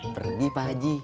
pergi pak haji